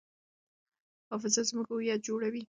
حافظه زموږ هویت جوړوي.